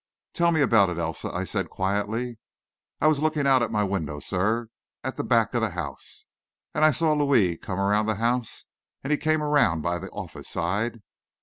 "Tell me about it, Elsa," I said, quietly. "I was looking out at my window, sir, at the back of the house; and I saw Louis come around the house, and he came around by the office side."